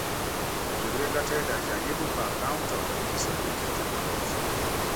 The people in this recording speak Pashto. د جګړې ګټه یې د اجانبو په اکاونټ او بانکي صندوق کې جمع کېږي.